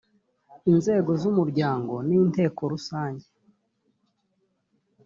inzego z umuryango ni inteko rusange